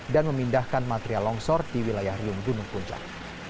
memindahkan material longsor di wilayah riung gunung puncak